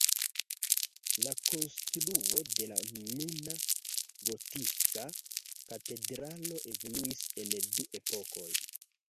La konstruo de la nuna gotika katedralo evoluis en du epokoj.